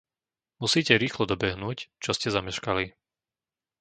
Musíte rýchlo dobehnúť, čo ste zameškali.